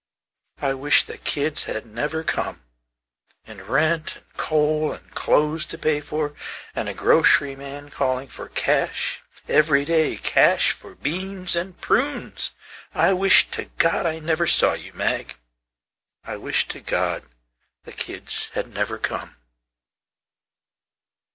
I wish the kids had never comeAnd rent and coal and clothes to pay forAnd a grocery man calling for cash, Every day cash for beans and prunes.I wish to God I never saw you, Mag.I wish to God the kids had never come.